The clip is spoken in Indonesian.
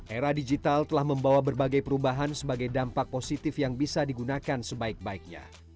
era digital telah membawa berbagai perubahan sebagai dampak positif yang bisa digunakan sebaik baiknya